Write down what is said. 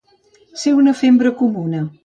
Ser una fembra comuna.